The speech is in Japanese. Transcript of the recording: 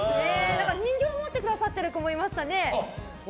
人形を持ってくださってる子もいましたね。